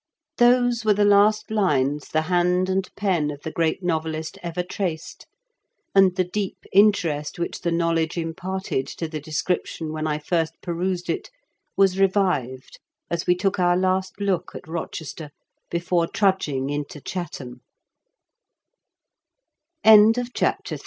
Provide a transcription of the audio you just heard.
Those were the last lines the hand and pen of the great novelist ever traced, and the deep interest which the knowledge imparted to the description when I first perused it was revived as we took our last look at Eochester, before trudging